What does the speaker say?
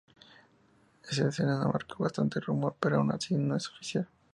Esa escena marcó bastante el rumor, pero aun así, no es oficial.